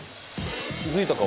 気付いたか？